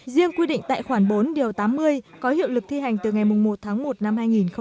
riêng quy định tại khoản bốn điều tám mươi có hiệu lực thi hành từ ngày một tháng một năm hai nghìn hai mươi